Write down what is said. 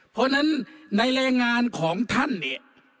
เพราะฉะนั้นในแรงงานของท่านเนี่ย